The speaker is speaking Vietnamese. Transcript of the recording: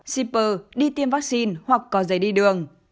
shipper đi tiêm vaccine hoặc có giấy đi đường